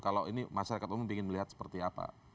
kalau ini masyarakat umum ingin melihat seperti apa